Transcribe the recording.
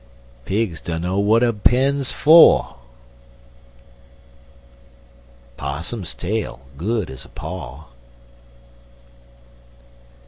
Pigs dunno w'at a pen's fer. Possum's tail good as a paw.